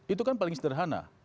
itu kan paling sederhana